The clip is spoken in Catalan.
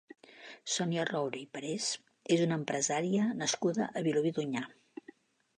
Sònia Roura i Parés és una empresària nascuda a Vilobí d'Onyar.